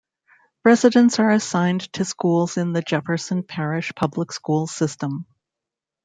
Residents are assigned to schools in the Jefferson Parish Public Schools system.